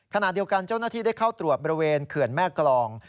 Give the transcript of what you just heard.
ขณะเดียวกันเจ้าหน้าที่ได้เข้าตรวจบริเวณเขื่อนแม่กรอง